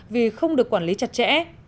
vì không được quản lý chặt chẽ